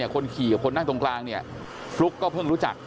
คนขี่คนนั่งตรงกลางฟลุ๊กก็เพิ่งรู้จัก